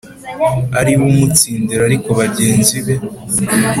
ariwe umutsindira ariko bagenzi